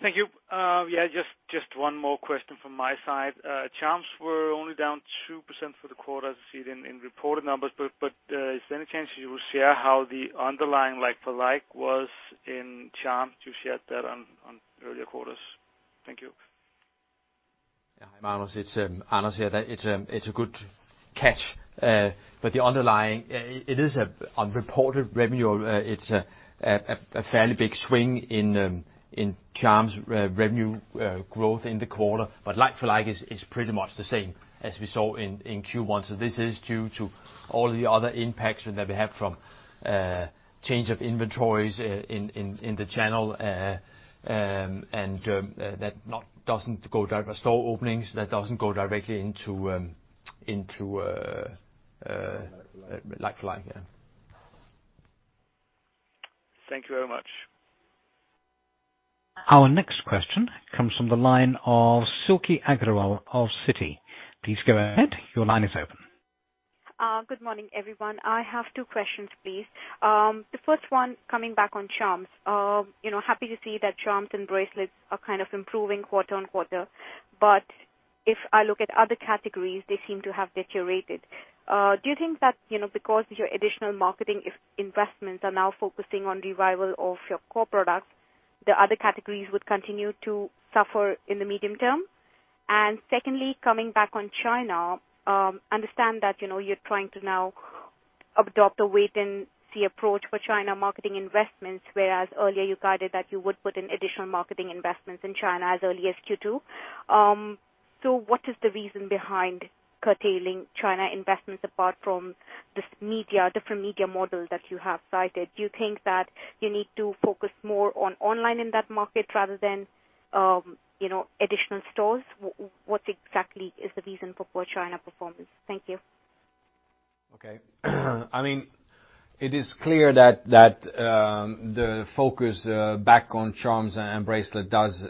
Thank you. Yeah, just one more question from my side. Charms were only down 2% for the quarter, as I see it in reported numbers. But is there any chance you will share how the underlying like-for-like was in charms? You've shared that on earlier quarters. Thank you. Yeah, hi, Magnus. It's Anders here. That's a good catch. But the underlying it is a on reported revenue, it's a fairly big swing in charms revenue growth in the quarter. But like-for-like is pretty much the same as we saw in Q1. So this is due to all the other impacts that we have from change of inventories in the channel, and that doesn't go directly into store openings, that doesn't go directly into. Like-for-like. Like-for-like, yeah. Thank you very much. Our next question comes from the line of Silky Agarwal of Citi. Please go ahead. Your line is open. Good morning, everyone. I have two questions, please. The first one, coming back on charms. You know, happy to see that charms and bracelets are kind of improving quarter-on-quarter, but if I look at other categories, they seem to have deteriorated. Do you think that, you know, because your additional marketing investments are now focusing on revival of your core products, the other categories would continue to suffer in the medium term? And secondly, coming back on China, understand that, you know, you're trying to now adopt a wait-and-see approach for China marketing investments, whereas earlier you guided that you would put in additional marketing investments in China as early as Q2. So what is the reason behind curtailing China investments, apart from this media, different media models that you have cited? Do you think that you need to focus more on online in that market rather than, you know, additional stores? What exactly is the reason for poor China performance? Thank you. Okay. I mean, it is clear that the focus back on charms and bracelet does,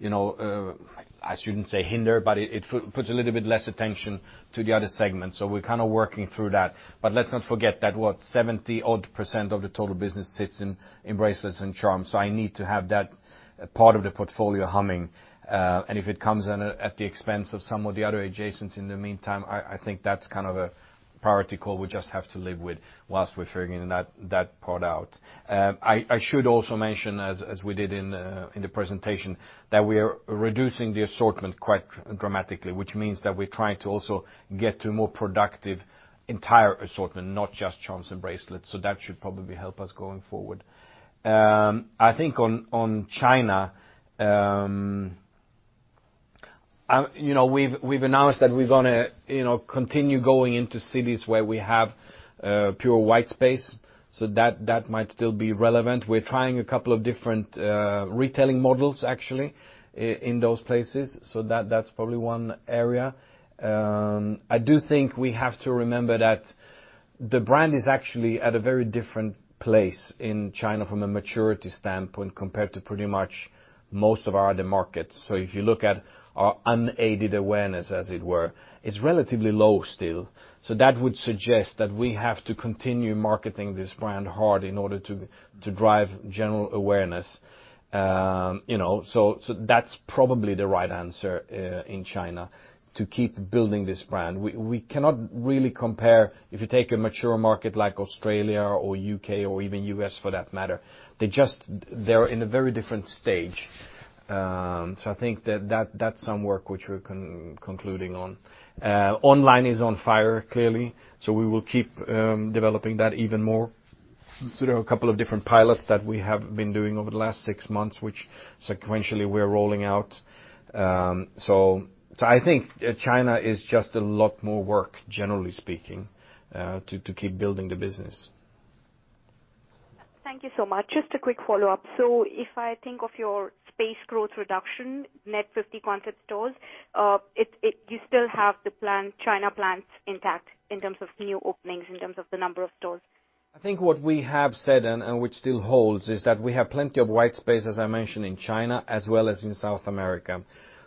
you know, I shouldn't say hinder, but it puts a little bit less attention to the other segments, so we're kind of working through that. But let's not forget that seventy-odd% of the total business sits in bracelets and charms, so I need to have that part of the portfolio humming. And if it comes in at the expense of some of the other adjacents in the meantime, I think that's kind of a priority call we just have to live with whilst we're figuring that part out. I should also mention, as we did in the presentation, that we are reducing the assortment quite dramatically, which means that we're trying to also get to a more productive entire assortment, not just charms and bracelets, so that should probably help us going forward. I think on China, you know, we've announced that we're gonna, you know, continue going into cities where we have pure white space, so that might still be relevant. We're trying a couple of different retailing models, actually, in those places, so that's probably one area. I do think we have to remember that the brand is actually at a very different place in China from a maturity standpoint, compared to pretty much most of our other markets. So if you look at our unaided awareness, as it were, it's relatively low still, so that would suggest that we have to continue marketing this brand hard in order to, to drive general awareness. You know, so, so that's probably the right answer in China, to keep building this brand. We cannot really compare... If you take a mature market like Australia or U.K. or even U.S., for that matter, they're in a very different stage. So I think that, that's some work which we're concluding on. Online is on fire, clearly, so we will keep developing that even more. So there are a couple of different pilots that we have been doing over the last six months, which sequentially we're rolling out. I think China is just a lot more work, generally speaking, to keep building the business. Thank you so much. Just a quick follow-up. So if I think of your space growth reduction, net 50 concept stores, you still have the plan, China plans intact in terms of new openings, in terms of the number of stores? I think what we have said, and which still holds, is that we have plenty of white space, as I mentioned, in China, as well as in South America.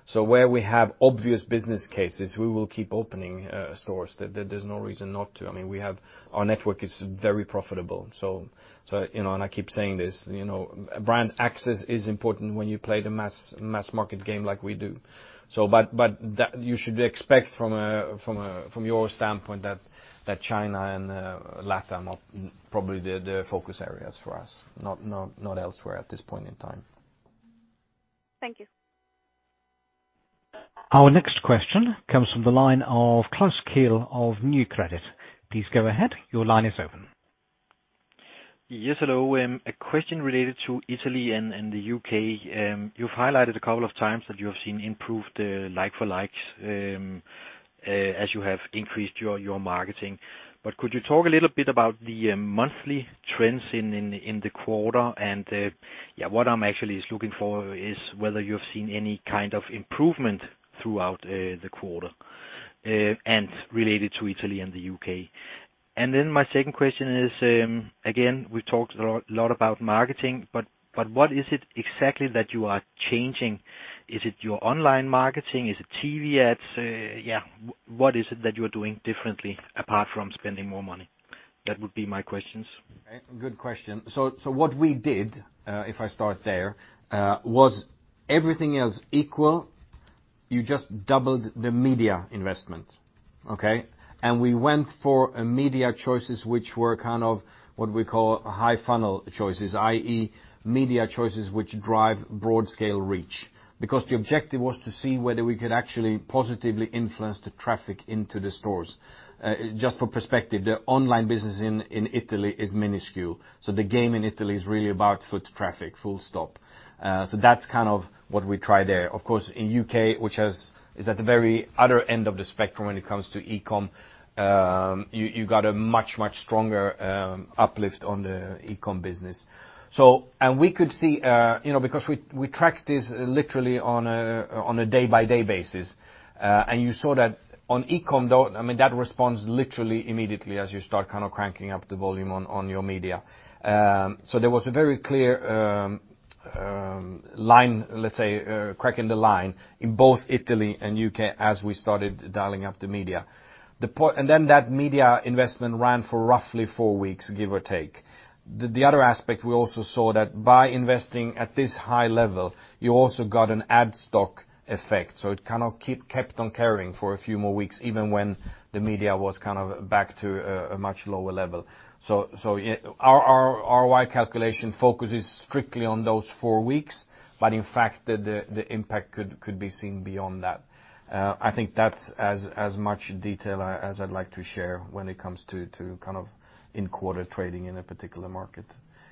So where we have obvious business cases, we will keep opening stores. There's no reason not to. I mean, we have. Our network is very profitable. So, you know, and I keep saying this, you know, brand access is important when you play the mass market game like we do. But that, you should expect from your standpoint, that China and LATAM are probably the focus areas for us, not elsewhere at this point in time. Thank you. Our next question comes from the line of Klaus Keil of Nykredit. Please go ahead. Your line is open. Yes, hello. A question related to Italy and the U.K. You've highlighted a couple of times that you have seen improved like-for-like as you have increased your marketing. But could you talk a little bit about the monthly trends in the quarter? And yeah, what I'm actually is looking for is whether you've seen any kind of improvement throughout the quarter and related to Italy and the U.K. And then my second question is, again, we've talked a lot about marketing, but what is it exactly that you are changing? Is it your online marketing? Is it TV ads? Yeah, what is it that you are doing differently, apart from spending more money? That would be my questions. Okay, good question. So, so what we did, if I start there, was everything else equal, you just doubled the media investment, okay? And we went for a media choices, which were kind of what we call high-funnel choices, i.e., media choices, which drive broad-scale reach. Because the objective was to see whether we could actually positively influence the traffic into the stores. Just for perspective, the online business in, in Italy is minuscule, so the game in Italy is really about foot traffic, full stop. So that's kind of what we try there. Of course, in U.K, which has, is at the very other end of the spectrum when it comes to E-com, you got a much, much stronger, uplift on the E-com business. We could see, you know, because we tracked this literally on a day-by-day basis, and you saw that on e-com, though, I mean, that responds literally immediately as you start kind of cranking up the volume on your media. So there was a very clear line, let's say, crack in the line in both Italy and U.K. as we started dialing up the media. And then that media investment ran for roughly four weeks, give or take. The other aspect, we also saw that by investing at this high level, you also got an ad stock effect, so it kind of kept on carrying for a few more weeks, even when the media was kind of back to a much lower level. So, our YoY calculation focuses strictly on those four weeks, but in fact, the impact could be seen beyond that. I think that's as much detail as I'd like to share when it comes to kind of in-quarter trading in a particular market.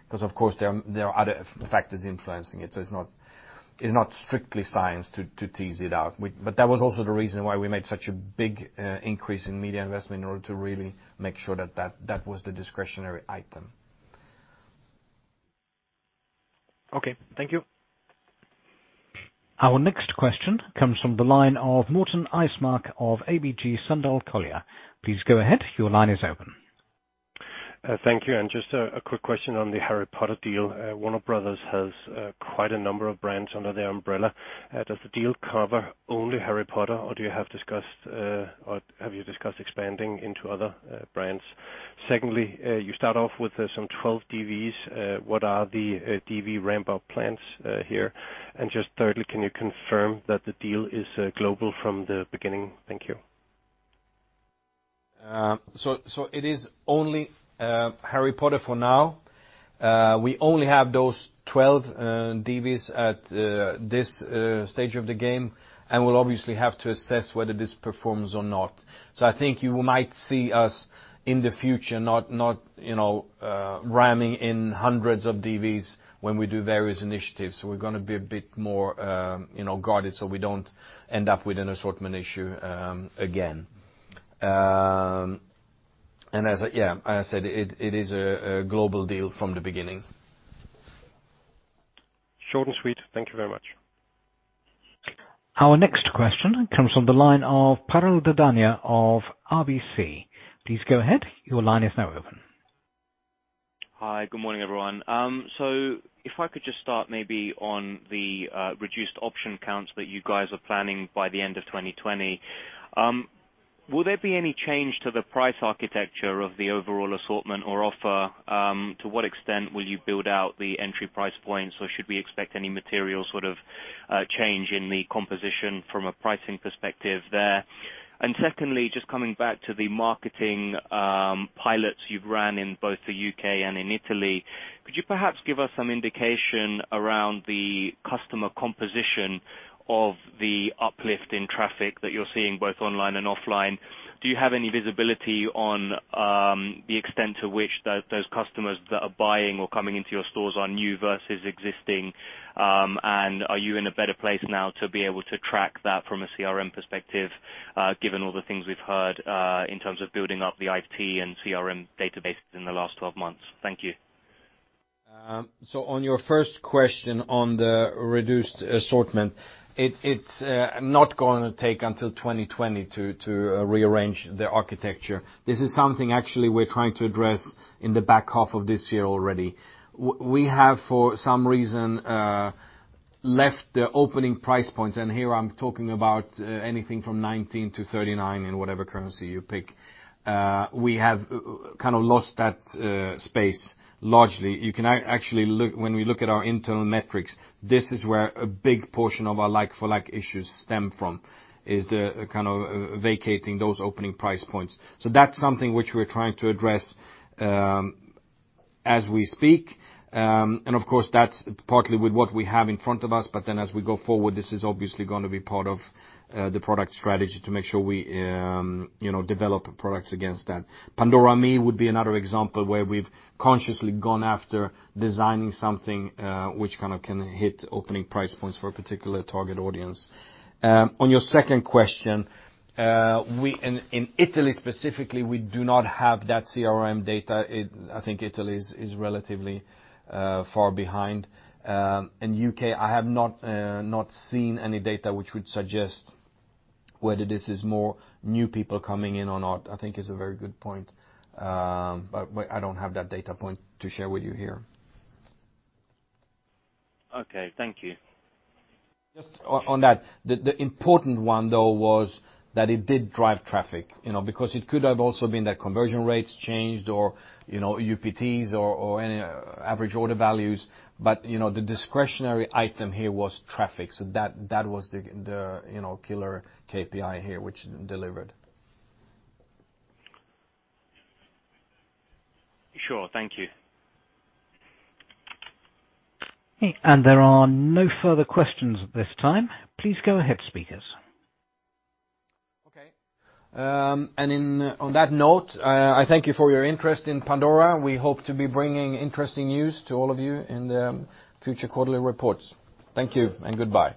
'Cause, of course, there are other factors influencing it, so it's not strictly science to tease it out. But that was also the reason why we made such a big increase in media investment, in order to really make sure that that was the discretionary item. Okay, thank you. Our next question comes from the line of Morten Eismark of ABG Sundal Collier. Please go ahead. Your line is open. Thank you, and just a quick question on the Harry Potter deal. Warner Bros. has quite a number of brands under their umbrella. Does the deal cover only Harry Potter, or do you have discussed, or have you discussed expanding into other brands? Secondly, you start off with some 12 DVs, what are the DV ramp-up plans here? And just thirdly, can you confirm that the deal is global from the beginning? Thank you. So, so it is only Harry Potter for now. We only have those 12 DVs at this stage of the game, and we'll obviously have to assess whether this performs or not. So I think you might see us in the future not, not, you know, ramming in hundreds of DVs when we do various initiatives. We're gonna be a bit more, you know, guarded, so we don't end up with an assortment issue again. And as I, yeah, as I said, it, it is a global deal from the beginning. Short and sweet. Thank you very much. Our next question comes from the line of Piral Dadhania of RBC. Please go ahead. Your line is now open. Hi, good morning, everyone. So if I could just start maybe on the reduced option counts that you guys are planning by the end of 2020. Will there be any change to the price architecture of the overall assortment or offer? To what extent will you build out the entry price points, or should we expect any material sort of change in the composition from a pricing perspective there? And secondly, just coming back to the marketing pilots you've ran in both the UK and in Italy, could you perhaps give us some indication around the customer composition of the uplift in traffic that you're seeing, both online and offline? Do you have any visibility on the extent to which those customers that are buying or coming into your stores are new versus existing? Are you in a better place now to be able to track that from a CRM perspective, given all the things we've heard, in terms of building up the IT and CRM databases in the last 12 months? Thank you. So on your first question on the reduced assortment, it's not gonna take until 2020 to rearrange the architecture. This is something actually we're trying to address in the back half of this year already. We have, for some reason, left the opening price point, and here I'm talking about anything from 19 to 39, in whatever currency you pick. We have kind of lost that space largely. You can actually look. When we look at our internal metrics, this is where a big portion of our like-for-like issues stem from, is the kind of vacating those opening price points. So that's something which we're trying to address as we speak. And of course, that's partly with what we have in front of us, but then as we go forward, this is obviously gonna be part of the product strategy to make sure we, you know, develop products against that. Pandora Me would be another example where we've consciously gone after designing something, which kind of can hit opening price points for a particular target audience. On your second question, in Italy specifically, we do not have that CRM data. It, I think Italy is relatively far behind. In U.K., I have not seen any data which would suggest whether this is more new people coming in or not. I think it's a very good point, but I don't have that data point to share with you here. Okay, thank you. Just on that, the important one, though, was that it did drive traffic, you know, because it could have also been that conversion rates changed or, you know, UPTs or any average order values, but, you know, the discretionary item here was traffic, so that was the, you know, killer KPI here, which delivered. Sure. Thank you. Okay, and there are no further questions at this time. Please go ahead, speakers. Okay, on that note, I thank you for your interest in Pandora. We hope to be bringing interesting news to all of you in the future quarterly reports. Thank you and goodbye.